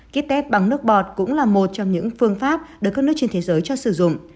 kites bằng nước bọt cũng là một trong những phương pháp được các nước trên thế giới cho sử dụng